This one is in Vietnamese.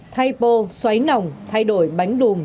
thay bộ xoáy nòng thay đổi bánh đùm